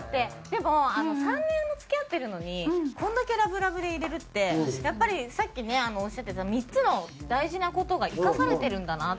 でも３年も付き合ってるのにこんだけラブラブでいれるってやっぱりさっきねおっしゃってた３つの大事な事が生かされてるんだなと思って。